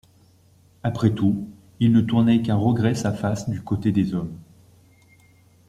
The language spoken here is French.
Après tout, il ne tournait qu’à regret sa face du côté des hommes.